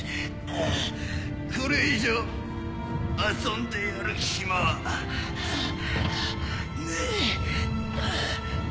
これ以上遊んでやる暇はねえ。